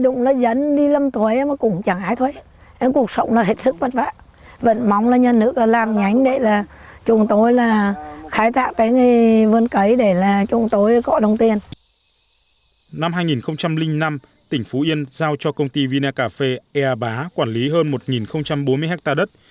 năm hai nghìn năm tỉnh phú yên giao cho công ty vinacafé ea bá quản lý hơn một bốn mươi hectare đất